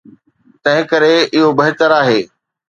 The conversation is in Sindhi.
تنهنڪري اهو بهتر آهي.